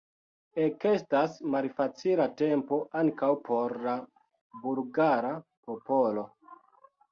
Ekestas malfacila tempo ankaŭ por la bulgara popolo.